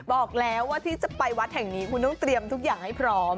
บอกแล้วว่าที่จะไปวัดแห่งนี้คุณต้องเตรียมทุกอย่างให้พร้อม